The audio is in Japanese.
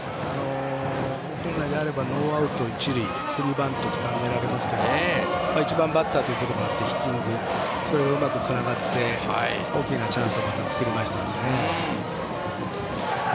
本来であれば、ノーアウト、一塁フルバントと考えられますけど１番バッターなのでヒッティング、それがうまくつながって大きなチャンスをまた作りましたね。